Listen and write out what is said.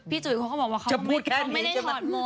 พี่จุ๊ยเขาบอกว่าผมไม่ได้ถอดหมด